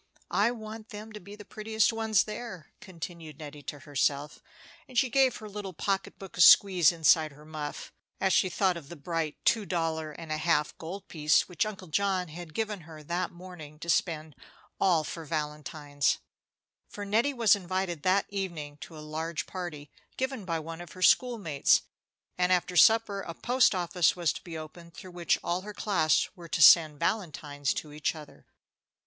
"I want them to be the prettiest ones there," continued Nettie to herself, and she gave her little pocket book a squeeze inside her muff as she thought of the bright two dollar and a half gold piece which Uncle John had given her that morning to spend all for valentines; for Nettie was invited that evening to a large party, given by one of her school mates, and after supper a post office was to be opened, through which all her class were to send valentines to each other.